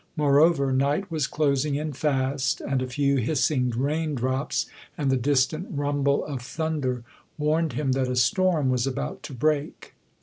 Moreover, night was closing in fast, and a few hissing raindrops and the distant rumble of thunder warned him that a storm was about to break.